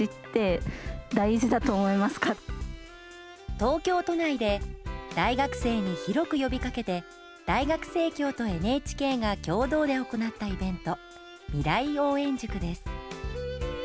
東京都内で大学生に広く呼びかけて大学生協とＮＨＫが共同で行ったイベント「みらい応援塾」です。